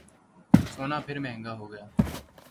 سونا پھر مہنگا ہوگیا